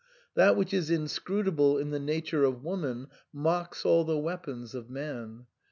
That which is inscrutable in the nature of woman mocks all the weapons of man.